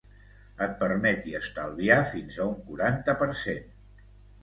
et permeti estalviar fins a un quaranta per cent